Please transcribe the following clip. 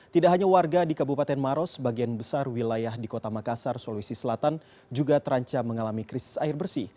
tidak hanya warga di kabupaten maros bagian besar wilayah di kota makassar sulawesi selatan juga terancam mengalami krisis air bersih